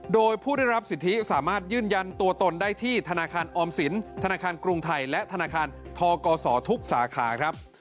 โดยผู้ได้รับสิทธิสามารถยืนยันตัวตนได้ที่ธนาคารออมสินธนาคารกรุงไทยและธนาคารทกศทุกสาขาครับ